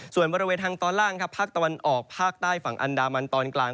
ส่วนบริเวณทางตอนล่างครับภาคตะวันออกภาคใต้ฝั่งอันดามันตอนกลาง